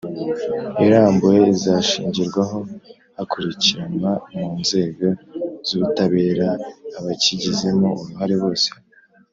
irambuye izashingirwaho hakurikiranwa mu nzego z ubutabera abakigizemo uruhare bose